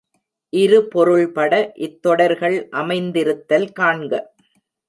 இரு பொருள்பட இத்தொடர்கள் அமைந் திருத்தல் காண்க.